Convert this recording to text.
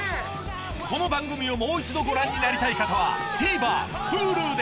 この番組をもう一度ご覧になりたい方はＴＶｅｒＨｕｌｕで